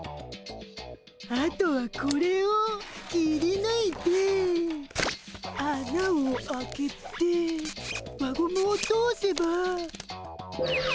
あとはこれをきりぬいてあなを開けて輪ゴムを通せば。